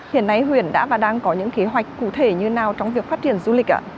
hiện nay huyện đã và đang có những kế hoạch cụ thể như nào trong việc phát triển du lịch ạ